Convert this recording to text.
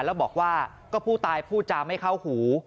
แล้วบอกว่าก็ผู้ตายพูดจาไม่เข้าหู